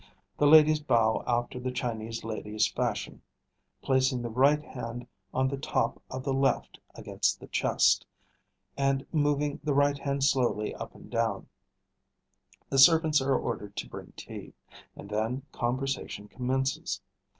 The ladies bow after the Chinese lady's fashion, placing the right hand on the top of the left against the chest, and moving the right hand slowly up and down; the servants are ordered to bring tea; and then conversation commences.